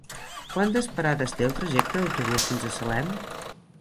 Quantes parades té el trajecte en autobús fins a Salem?